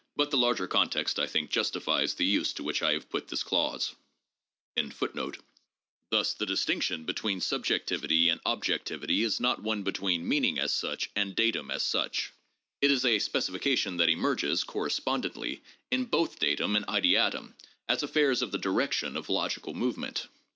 But the larger context, I think, justifies the use to which I have put this clause. 592 THE JOURNAL OF PHILOSOPHY objectivity is not one between meaning as such and datum as such. It is a specification that emerges, correspondently, in both datum and ideatum, as affairs of the direction of logical move ment.